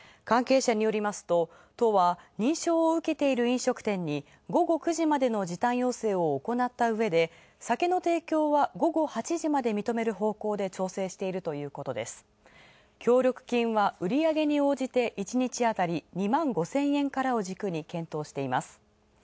関係者によると都は認証を受けている飲食店に午後９時までの時短要請を行ったうえで酒の提供は、午後８時まで認める方向で調整しているということで協力金は売り上げに応じて１日あたり２万５０００円を軸に検討しています。